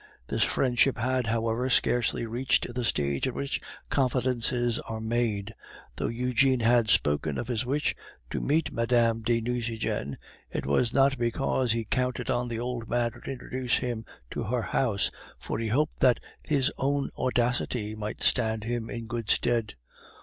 This friendship had, however, scarcely reached the stage at which confidences are made. Though Eugene had spoken of his wish to meet Mme. de Nucingen, it was not because he counted on the old man to introduce him to her house, for he hoped that his own audacity might stand him in good stead.